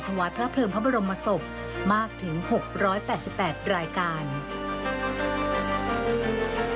ถวายพระเพลิงพระบรมศพมากถึง๖๘๘รายการ